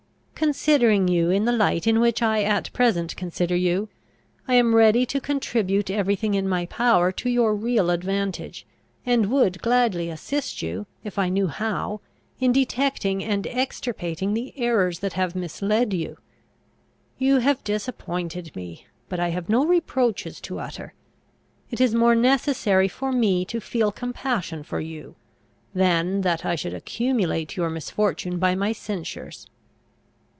Considering you in the light in which I at present consider you, I am ready to contribute every thing in my power to your real advantage, and would gladly assist you, if I knew how, in detecting and extirpating the errors that have misled you. You have disappointed me, but I have no reproaches to utter: it is more necessary for me to feel compassion for you, than that I should accumulate your misfortune by my censures."